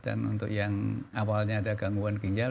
dan untuk yang awalnya ada gangguan ginjal